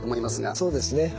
そうですね